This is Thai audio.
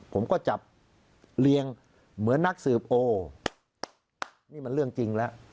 ผมก็จับเรียงเหมือนนักสืบโอนี่มันเรื่องจริงแล้ว